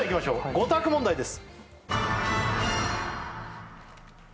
５択問題です